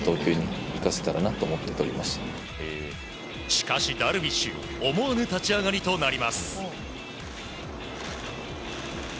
しかし、ダルビッシュ思わぬ立ち上がりとなります。